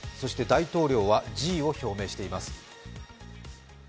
大統領は辞意を表明しています。